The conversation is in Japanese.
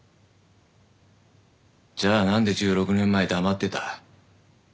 じゃあなんで１６年前黙ってた？